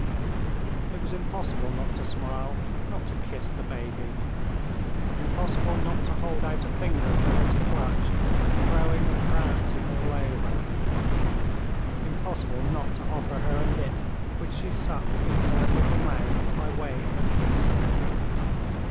It was impossible not to smile, not to kiss the baby, impossible not to hold out a finger for her to clutch, crowing and prancing all over; impossible not to offer her a lip which she sucked into her little mouth by way of a kiss.